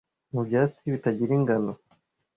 mubyatsi bitagira ingano